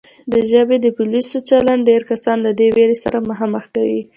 د ژبې د پولیسو چلند ډېر کسان له دې وېرې سره مخامخ کوي